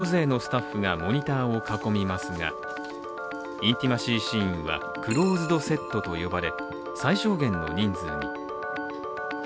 他のシーンの撮影では大勢のスタッフがモニターを囲みますがインティマシーシーンはクローズドセットと呼ばれ、最小限の人数に。